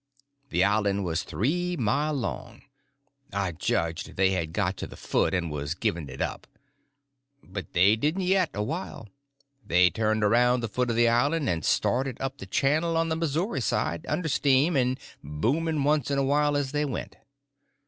The island was three mile long. I judged they had got to the foot, and was giving it up. But they didn't yet a while. They turned around the foot of the island and started up the channel on the Missouri side, under steam, and booming once in a while as they went.